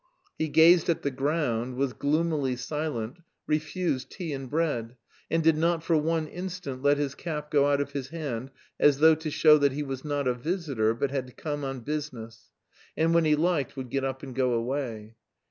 He gazed at the ground, was gloomily silent, refused tea and bread, and did not for one instant let his cap go out of his hand, as though to show that he was not a visitor, but had come on business, and when he liked would get up and go away.